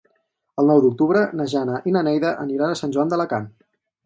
El nou d'octubre na Jana i na Neida aniran a Sant Joan d'Alacant.